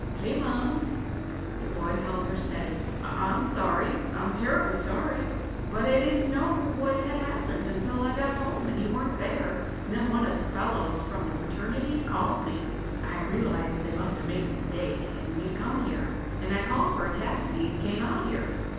"Hey, Mom!" The boy held her steady. "I'm sorry. I'm terribly sorry. But I didn't know what had happened until I got home and you weren't there and then one of the fellows from the fraternity called me. I realized they must have made a mistake, and you'd come here, and I called for a taxi and came out here.